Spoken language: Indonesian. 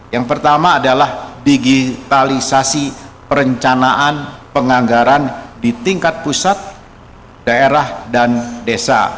yang pertama adalah digitalisasi perencanaan penganggaran di tingkat pusat daerah dan desa